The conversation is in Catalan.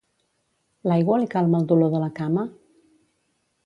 L'aigua li calma el dolor de la cama?